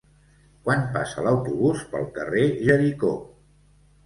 Quan passa l'autobús pel carrer Jericó?